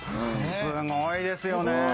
すごいですよね。